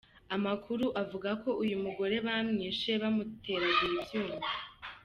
Amakuru avugako uyu mugore bamwishe bamuteraguye ibyuma.